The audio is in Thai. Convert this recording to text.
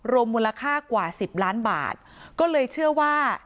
รวมมูลค่ากว่าสิบล้านบาทก็เลยเชื่อว่า